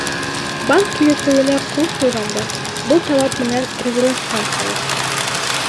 Банк килешеүенә ҡул ҡуйғанда, был талап менән ризалашҡанһығыҙ.